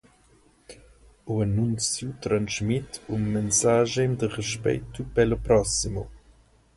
O anúncio transmite uma mensagem de respeito pelo próximo.